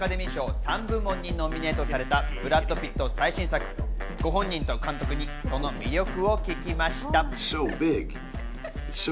３部門にノミネートされたブラッド・ピット最新作、ご本人と監督にその魅力を聞きました。